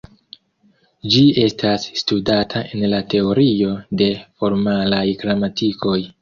Ĝi estas studata en la Teorio de formalaj gramatikoj.